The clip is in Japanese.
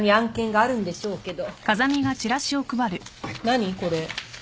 何これ？